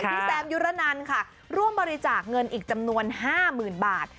แซมยุรนันค่ะร่วมบริจาคเงินอีกจำนวน๕๐๐๐บาท